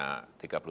kita masih rp tujuh